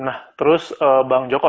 nah terus bang joko